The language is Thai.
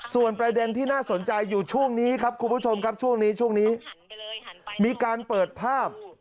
ส่วนประเด็นที่น่าสนใจอยู่ช่วงนี้ครับคุณผู้ชมครับช่วงนี้ช่วงนี้มีการเปิดภาพ